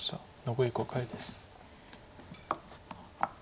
残り５回です。